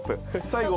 最後。